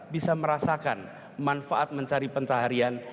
bisa merasakan manfaat mencari pencaharian